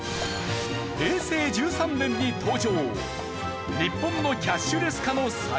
平成１３年に登場。